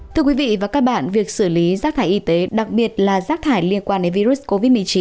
thưa quý vị và các bạn việc xử lý rác thải y tế đặc biệt là rác thải liên quan đến virus covid một mươi chín